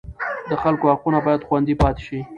د خلکو حقونه باید خوندي پاتې شي.